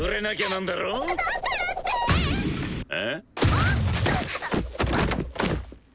あっ。